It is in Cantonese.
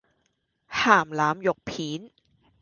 咸腩肉片